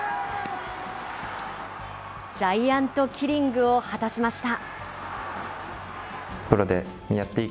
ジャイアントキリングを果たしました。